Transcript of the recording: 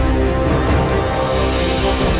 dewa temen aku